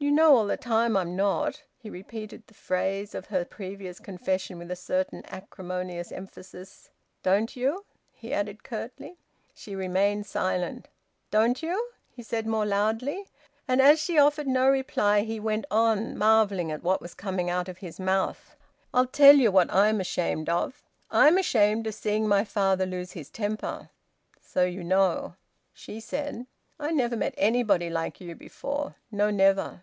"You know all the time I'm not." He repeated the phrase of her previous confession with a certain acrimonious emphasis. "Don't you?" he added curtly. She remained silent. "Don't you?" he said more loudly. And as she offered no reply, he went on, marvelling at what was coming out of his mouth. "I'll tell you what I am ashamed of. I'm ashamed of seeing my father lose his temper. So you know!" She said "I never met anybody like you before. No, never!"